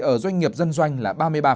ở doanh nghiệp dân doanh là ba mươi ba